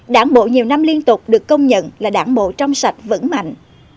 đảng bộ nhiều năm liên tục được công nhận là đảng bộ trong sạch vững mạnh